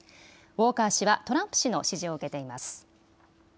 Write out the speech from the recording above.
ウォーカー氏はトランプ氏の支持を受けています。